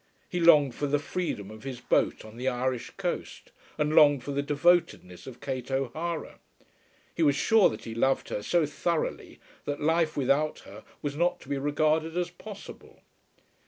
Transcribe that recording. He longed for the freedom of his boat on the Irish coast, and longed for the devotedness of Kate O'Hara. He was sure that he loved her so thoroughly that life without her was not to be regarded as possible.